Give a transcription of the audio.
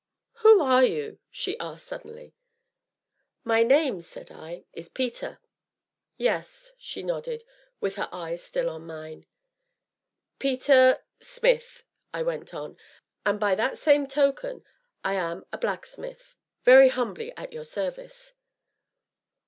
"Who are you?" she asked suddenly. "My name," said I, "is Peter." "Yes," she nodded, with her eyes still on mine. "Peter Smith," I went on, "and, by that same token, I am a blacksmith very humbly at your service."